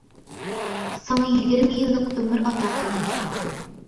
ساڭا يىگىرمە يىللىق ئۆمۈر ئاتا قىلدىم.